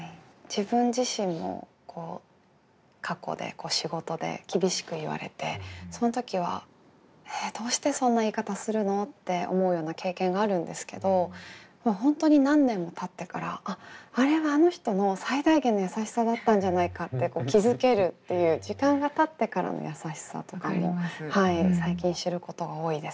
自分自身の過去で仕事で厳しく言われてその時は「えっどうしてそんな言い方するの？」って思うような経験があるんですけど本当に何年もたってから「あっあれはあの人の最大限のやさしさだったんじゃないか」って気付けるっていう時間がたってからのやさしさとかも最近知ることが多いですね。